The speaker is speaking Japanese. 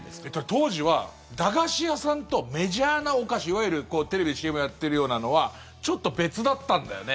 当時は駄菓子屋さんとメジャーなお菓子いわゆるテレビでＣＭやってるようなのはちょっと別だったんだよね。